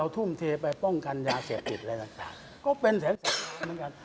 ทุ่มเทไปป้องกันยาเศรษฐกิจอะไรต่างก็เป็นแสดง